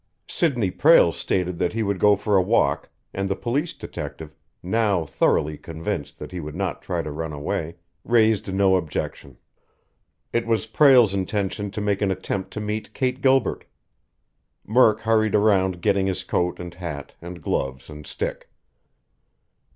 Sidney Prale stated that he would go for a walk, and the police detective, now thoroughly convinced that he would not try to run away, raised no objection. It was Prale's intention to make an attempt to meet Kate Gilbert. Murk hurried around getting his coat and hat and gloves and stick.